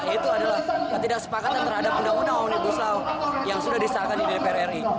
itu adalah ketidaksepakatan terhadap undang undang omnibus law yang sudah disahkan di dpr ri